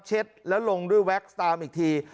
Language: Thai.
แล้วลงด้วยแว็กซ์ตามอีกที